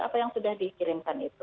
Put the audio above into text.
apa yang sudah dikirimkan itu